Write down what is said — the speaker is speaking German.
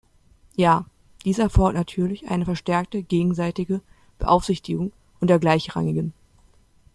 Ja, dies erfordert natürlich eine verstärkte gegenseitige Beaufsichtigung unter Gleichrangigen.